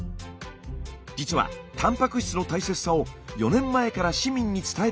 実はたんぱく質の大切さを４年前から市民に伝えている自治体があります。